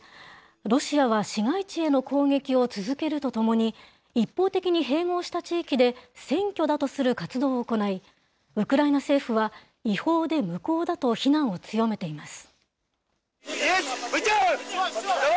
ロシアは市街地への攻撃を続けるとともに、一方的に併合した地域で、選挙だとする活動を行い、ウクライナ政府は違法で無効だと非難を強めています。